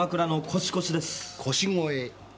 腰越？